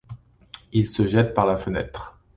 Il se jette par la fenêtre.